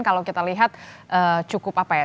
kalau kita lihat cukup apa ya